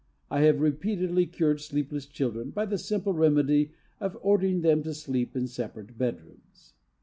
I have repeatedly cured sleepless children by the simple remedy of ordering them to sleep in separate bedrooms.